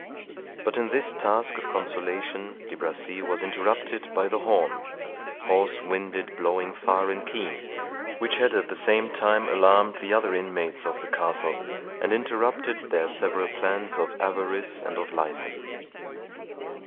But in this task of consolation De Bracy was interrupted by the horn, "hoarse winded blowing far and keen," which had at the same time alarmed the other inmates of the castle, and interrupted their several plans of avarice and of license.